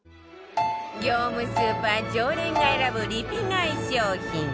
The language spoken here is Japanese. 業務スーパー常連が選ぶリピ買い商品